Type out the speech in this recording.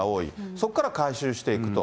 そこから回収していくと。